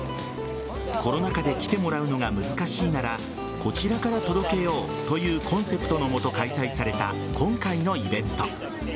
コロナ禍で来てもらうのが難しいならこちらから届けようというコンセプトのもと開催された今回のイベント。